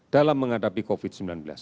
dalam menghadapi covid sembilan belas